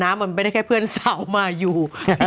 มันไม่ได้แค่เพื่อนสาวมาอยู่